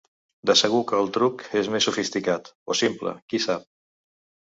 De segur que el truc és més sofisticat… o simple, qui sap.